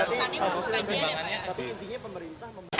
tapi intinya pemerintah